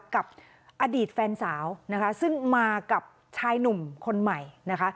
กับอดีตแฟนสาวนะคะซึ่งมากับชายหนุ่มคนใหม่นะคะ